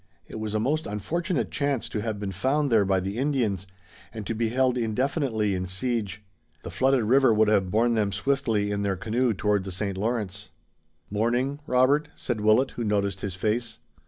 It was a most unfortunate chance to have been found there by the Indians and to be held indefinitely in siege. The flooded river would have borne them swiftly in their canoe toward the St. Lawrence. "Mourning, Robert?" said Willet who noticed his face.